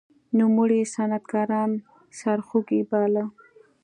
نوموړي صنعتکاران سرخوږی باله.